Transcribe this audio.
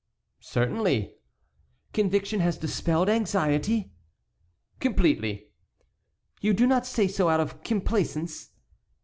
"Certainly." "Conviction has dispelled anxiety?" "Completely." "You do not say so out of complaisance?"